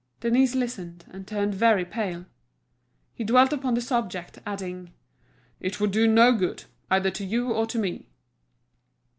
Denise listened, and turned very pale. He dwelt upon the subject, adding: "It would do no good, either to you or to me.